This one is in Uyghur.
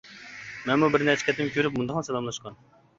مەنمۇ بىر نەچچە قېتىم كۆرۈپ مۇنداقلا سالاملاشقان.